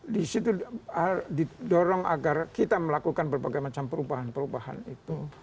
di situ didorong agar kita melakukan berbagai macam perubahan perubahan itu